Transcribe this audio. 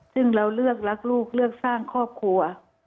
ซึ่งเราเลือกรักลูกเลือกสร้างครอบครัว